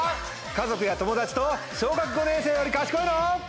家族や友達と『小学５年生より賢いの？』。